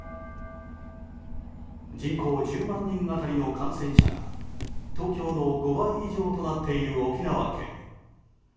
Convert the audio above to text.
人口１０万人当たりの感染者が東京の５倍以上となっている沖縄県。